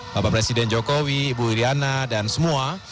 bapak presiden jokowi ibu iryana dan semua